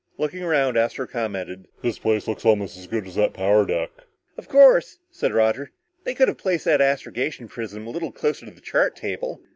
Looking around, Astro commented, "This place looks almost as good as that power deck." "Of course," said Roger, "they could have placed that astrogation prism a little closer to the chart table.